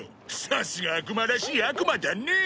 さすが悪魔らしい悪魔だねえ。